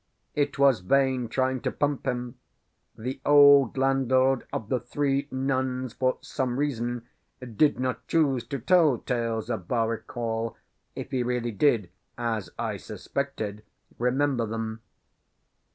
It was vain trying to pump him; the old landlord of the "Three Nuns," for some reason, did not choose to tell tales of Barwyke Hall, if he really did, as I suspected, remember them.